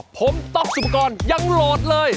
ผมต๊อกสุปกรณ์ยังโหลดเลย